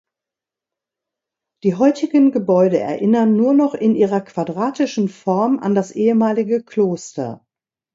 Die heutigen Gebäude erinnern nur noch in ihrer quadratischen Form an das ehemalige Kloster.